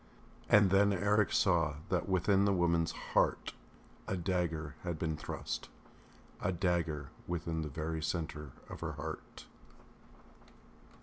And then Eric saw that within the woman's heart a dagger had been thrust.... A dagger within the very centre of her heart.